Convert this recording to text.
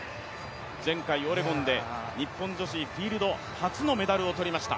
前回オレゴンで日本女子フィールド初のメダルを取りました。